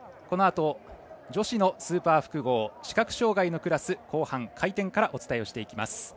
このあと女子のスーパー複合視覚障がいのクラス、後半回転からお伝えをしていきます。